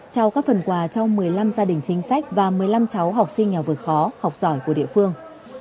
trao các phần quà cho một mươi năm gia đình chính sách và một mươi năm cháu học sinh nghèo vượt khó học giỏi của địa phương